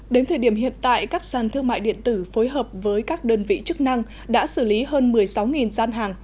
đến thời điểm hiện tại các sàn thương mại điện tử phối hợp với các đơn vị chức năng đã xử lý hơn một mươi sáu gian hàng